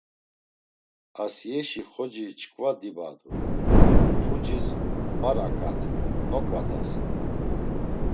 Asiyeşi xoci çkva dibadu, puciz var ak̆aten, nokvatesen.